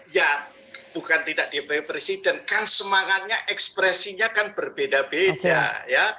ya bukan tidak dipilih presiden kan semangatnya ekspresinya kan berbeda beda ya